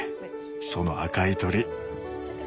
その赤い鳥。